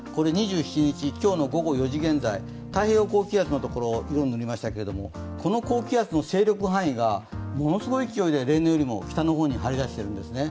２７日、今日の午後４時現在、太平洋高気圧のところを色を塗りましたけど、この高気圧の範囲がものすごい勢いで例年よりも北の方に張り出しているんですね。